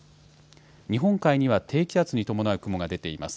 日本海には低気圧に伴う雲が出ています。